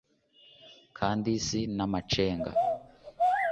kandi si n’amacenga